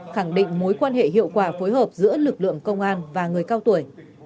khẳng định mối quan hệ hiệu quả phối hợp giữa lực lượng công an và người cao tuổi